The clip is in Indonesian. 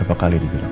berapa kali dibilang